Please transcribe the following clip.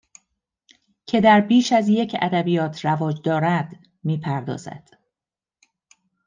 که در بیش از یک ادبیات رواج دارد می پردازد